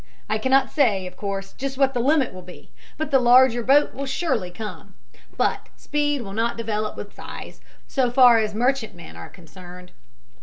I cannot say, of course, just what the limit will be, but the larger boat will surely come. But speed will not develop with size, so far as merchantmen are concerned.